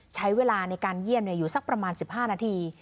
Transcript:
ใช้เวลาในการเยี่ยมเนี่ยอยู่สักประมาณสิบห้านาที